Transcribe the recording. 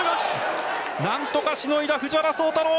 何とかしのいだ藤原崇太郎。